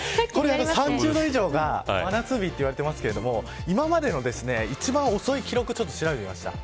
３０度以上が真夏日といわれてますが今までの一番遅い記録を調べてみました。